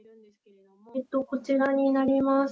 こちらになります。